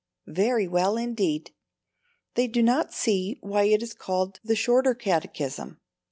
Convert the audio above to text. Very well indeed. They do not see why it is called the "shorter" Catechism!